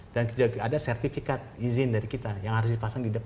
dan juga ada sertifikat izin dari kita yang harus dipasang di dalam